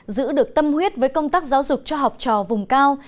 giữ được tâm huyết với công tác giáo dục cho học trò vùng cao